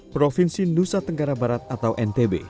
provinsi nusa tenggara barat atau ntb